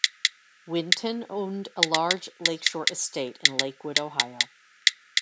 Winton owned a large lakeshore estate in Lakewood, Ohio.